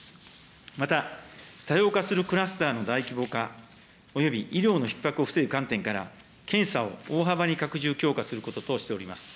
また、多様化するクラスターの大規模化、および医療のひっ迫を防ぐ観点から、検査を大幅に拡充、強化することとしております。